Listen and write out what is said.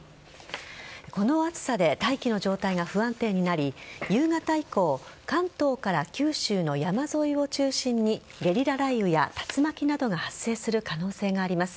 この暑さで大気の状態が不安定になり夕方以降関東から九州の山沿いを中心にゲリラ雷雨や竜巻などが発生する可能性があります。